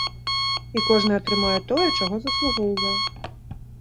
І кожны атрымае тое, чаго заслугоўвае.